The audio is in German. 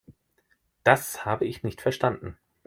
Das habe ich nicht verstanden.